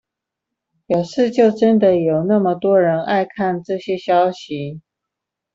表示就真的有這麼多人愛看這些消息